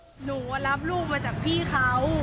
หนูรับลูกมาจากพี่เขา